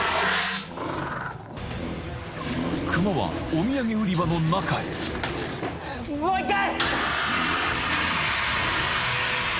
クマはお土産売り場の中へもう一回！